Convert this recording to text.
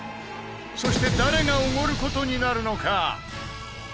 そして誰がおごる事になるのか？